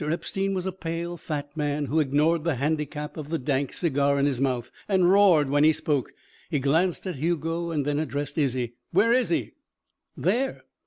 Epstein was a pale fat man who ignored the handicap of the dank cigar in his mouth and roared when he spoke. He glanced at Hugo and then addressed Izzie. "Where is he?" "There."